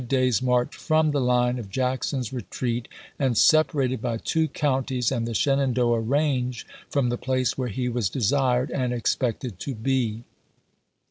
p. 644. days' march from the line of Jackson's retreat, and separated by two counties and the Shenandoah range from the place where he was desired and expected to be.